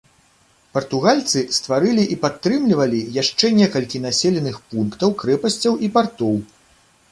Партугальцы стварылі і падтрымлівалі яшчэ некалькі населеных пунктаў, крэпасцяў і партоў.